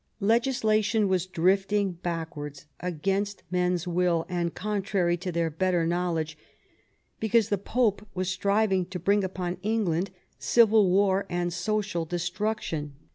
Legislation was drifting back wards, against men's will and contrary to their better knowledge, because the Pope was striving to bring upon England civil war and social destruction.